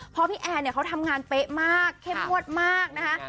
เพราะพี่แอนเนี่ยเขาทำงานเป๊ะมากเข้มงวดมากนะคะ